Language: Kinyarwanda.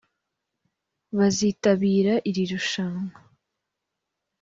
bazitabira iri rushanwa